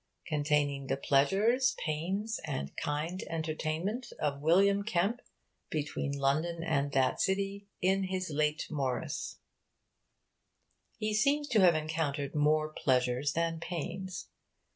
Containing the pleasures, paines, and kind entertainment of William Kemp betweene London and that Citty, in his late Morrice.' He seems to have encountered more pleasures than 'paines.'